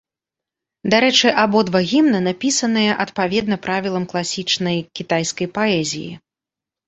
Дарэчы, абодва гімна напісаныя адпаведна правілам класічнай кітайскай паэзіі.